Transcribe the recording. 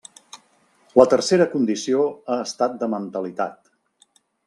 La tercera condició ha estat de mentalitat.